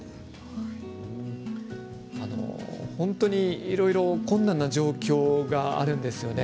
本当に、いろいろ困難な状況があるんですよね。